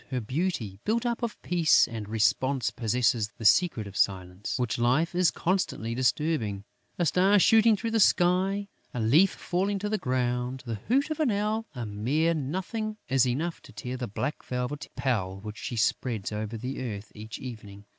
Her beauty, built up of peace and repose, possesses the secret of Silence, which life is constantly disturbing: a star shooting through the sky, a leaf falling to the ground, the hoot of an owl, a mere nothing is enough to tear the black velvet pall which she spreads over the earth each evening.